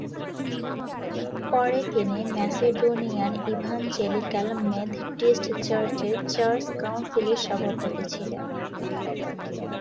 পরে তিনি Macedonian evangelical Methodist চার্চের চার্চ কাউন্সিলের সভাপতি ছিলেন।